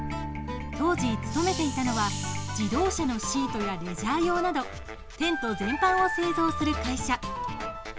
当時、勤めていたのは自動車のシートやレジャー用などテント全般を製造する会社。